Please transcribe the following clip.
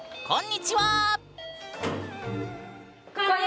こんにちは！